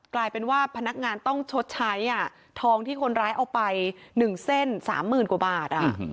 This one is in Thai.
กลายเป็นว่าพนักงานต้องชดใช้ทองที่คนร้ายเอาไป๑เส้น๓๐๐๐กว่าบาท